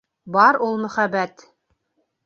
Бар ул мөхәббәт!